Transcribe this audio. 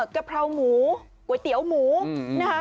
กะเพราหมูก๋วยเตี๋ยวหมูนะคะ